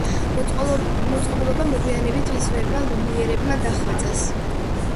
მოწყობილობა მოგვიანებით ძმებმა ლუმიერებმა დახვეწეს.